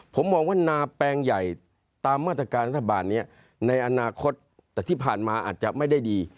ผมมองว่านาแปลงใหญ่ตามมาตรการรัฐบาลนี้ในอนาคตแต่ที่ผ่านมาอาจจะไม่ได้ดี